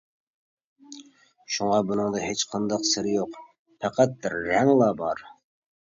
شۇڭا بۇنىڭدا ھېچقانداق «سىر» يوق، پەقەت رەڭلا بار.